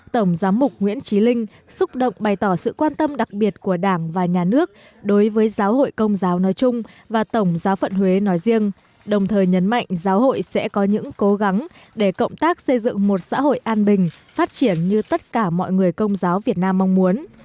tổng giám mục nguyễn trí linh xúc động bày tỏ sự quan tâm đặc biệt của đảng và nhà nước đối với giáo hội công giáo nói chung và tổng giáo phận huế nói riêng đồng thời nhấn mạnh giáo hội sẽ có những cố gắng để cộng tác xây dựng một xã hội an bình phát triển như tất cả mọi người công giáo việt nam mong muốn